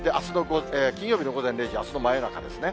金曜日の午前０時、あすの真夜中ですね。